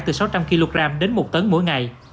từ sáu trăm linh kg mỗi ngày